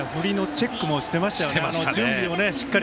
振りのチェックもしていましたよね。